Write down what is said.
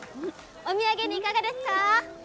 お土産にいかがですか？